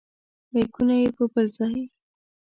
بیکونه یې بل ځای.